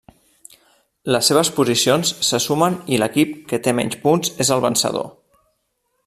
Les seves posicions se sumen i l'equip que té menys punts és el vencedor.